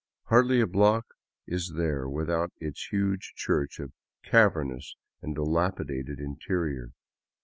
Hardly a block is there without its huge church of cavernous and dilapidated interior.